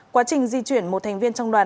quá trình di chuyển một thành viên trong đoàn